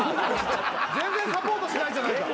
全然サポートしないじゃないか。